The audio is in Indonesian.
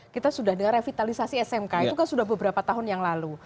kita sudah dengar revitalisasi smk itu kan sudah beberapa tahun yang lalu